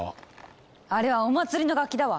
あれはお祭りの楽器だわ。